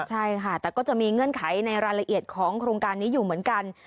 ใช่ค่ะแต่ก็จะมีเงื่อนไขในรายละเอียดของโครงการนี้อยู่เหมือนกัน